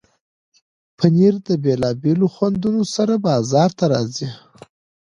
پنېر د بیلابیلو خوندونو سره بازار ته راځي.